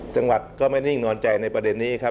จังหวัดก็ไม่นิ่งนอนใจในประเด็นนี้ครับ